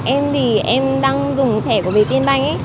em thì em đang dùng thẻ của việt timbank